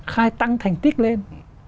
khai tăng thành tích lên